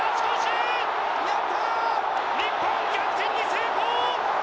日本、逆転に成功！